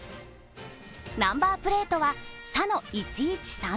ナンバープレートは「さ」の１１３７。